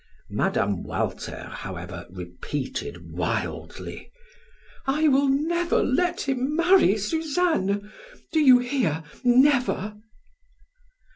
Mme. Walter, however, repeated wildly: "I will never let him marry Suzanne! Do you hear never!"